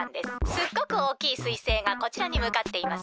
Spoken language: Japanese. すっごくおおきいすいせいがこちらにむかっています。